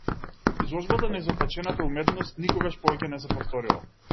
Изложбата на изопачената уметност никогаш повеќе не се повторила.